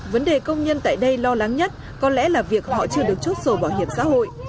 vấn đề công nhân tại đây lo lắng nhất có lẽ là việc họ chưa được chốt sổ bảo hiểm xã hội